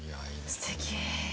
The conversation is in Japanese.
すてき。